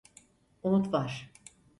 Umut var.